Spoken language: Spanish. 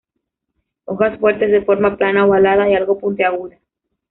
Hojas fuertes de forma plana, ovalada y algo puntiaguda.